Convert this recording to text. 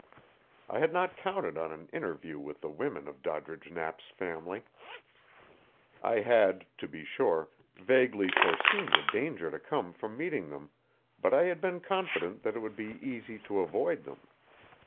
I had not counted on an interview with the women of Doddridge Knapp's family. I had, to be sure, vaguely foreseen the danger to come from meeting them, but I had been confident that it would be easy to avoid them.